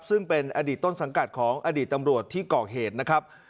ซึ่งเป็นอดีตต้นสังกัดของอดีตตำรวจที่ก่อเหตุนะครับ